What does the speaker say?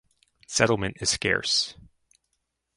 Settlement is scarce.